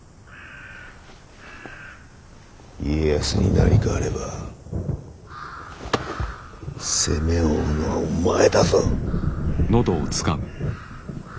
家康に何かあれば責めを負うのはお前だぞ。